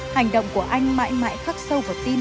hành động của anh mãi mãi khắc sâu vào tin